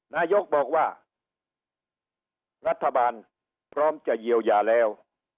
นายกบอกว่ารัฐบาลพร้อมจะเยียวยาแล้ว